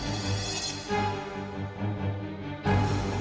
ya allah gimana ini